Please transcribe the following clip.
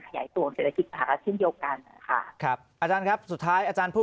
ขยายตัวเศรษฐกิจภาคที่เดียวกันอาจารย์ครับสุดท้ายอาจารย์พูด